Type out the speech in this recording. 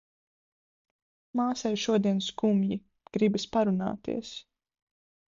Māsai šodien skumji, gribas parunāties.